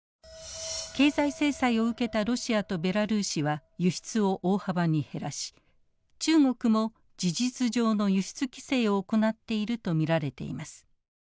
経済制裁を受けたロシアとベラルーシは輸出を大幅に減らし中国も事実上の輸出規制を行っていると見られています。